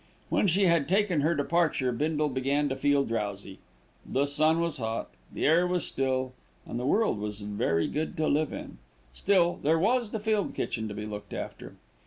When she had taken her departure, Bindle began to feel drowsy. The sun was hot, the air was still, and the world was very good to live in. Still, there was the field kitchen to be looked after.